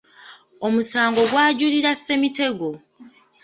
Omusango gw’ajulira Ssemitego.